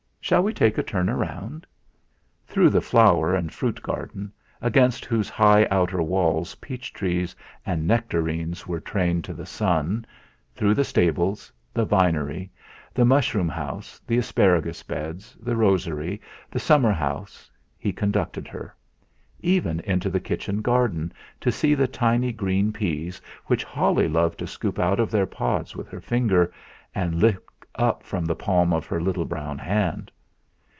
Shall we take a turn round?" Through the flower and fruit garden, against whose high outer walls peach trees and nectarines were trained to the sun, through the stables, the vinery, the mushroom house, the asparagus beds, the rosery, the summer house, he conducted her even into the kitchen garden to see the tiny green peas which Holly loved to scoop out of their pods with her finger, and lick up from the palm of her little brown hand.